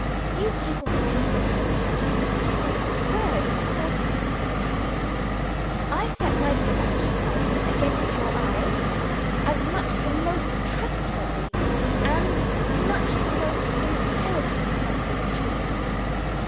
You people who can see attach such an absurd importance to your eyes! I set my touch, my dear, against your eyes, as much the most trustworthy, and much the most intelligent sense of the two.